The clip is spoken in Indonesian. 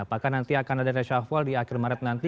apakah nanti akan ada reshuffle di akhir maret nanti